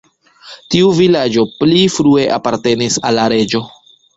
Tiu vilaĝo pli frue apartenis al la reĝo.